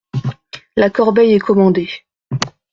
La corbeille est commandée…